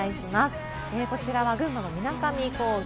こちらは群馬の水上高原。